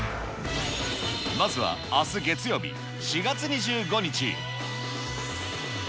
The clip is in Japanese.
まずは、あす月曜日、４月２５日。